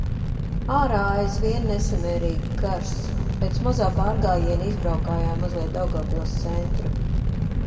Ārā aizvien nesamērīgi karsts. Pēc mazā pārgājiena izbraukājām mazliet Daugavpils centru.